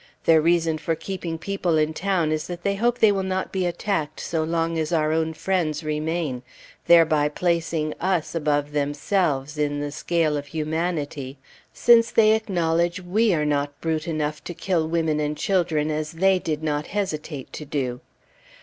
Their reason for keeping people in town is that they hope they will not be attacked so long as our own friends remain; thereby placing us above themselves in the scale of humanity, since they acknowledge we are not brute enough to kill women and children as they did not hesitate to do.